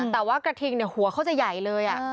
แต่ว่ากระทิงเนี่ยหัวเขาจะใหญ่เลยอะ